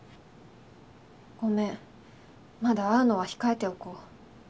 ごめんまだ会うのは控えておこう。